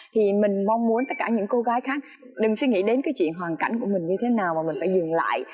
thì mình mong muốn tất cả những cô gái khác đừng suy nghĩ đến cái chuyện hoàn cảnh của mình như thế nào mà mình phải dừng lại